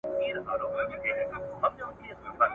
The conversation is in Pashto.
چې علمي میراث په تبلیغاتو نه ختمیږي